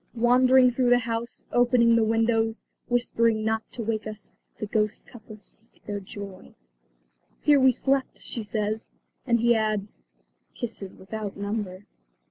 Wandering through the house, opening the windows, whispering not to wake us, the ghostly couple seek their joy. "Here we slept," she says. And he adds, "Kisses without number."